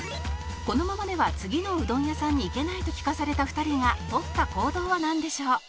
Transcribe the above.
「このままでは次のうどん屋さんに行けないと聞かされた２人がとった行動はなんでしょう？」